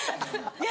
ねえ。